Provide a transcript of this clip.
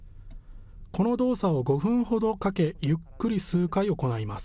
この動作を５分ほどかけゆっくり数回行います。